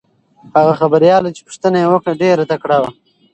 هغه خبریاله چې پوښتنه یې وکړه ډېره تکړه وه.